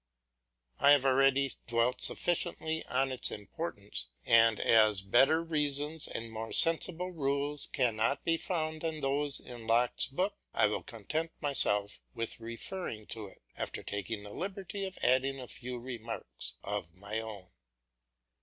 I have already dwelt sufficiently on its importance, and as better reasons and more sensible rules cannot be found than those in Locke's book, I will content myself with referring to it, after taking the liberty of adding a few remarks of my own.